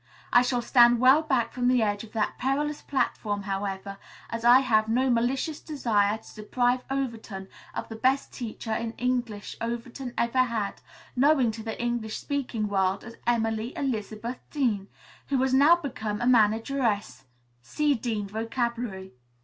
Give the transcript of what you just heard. I shall stand well back from the edge of that perilous platform, however, as I have no malicious desire to deprive Overton of the best teacher in English Overton ever had, known to the English speaking world as Emily Elizabeth Dean, who has now become a manageress (see Dean Vocabulary).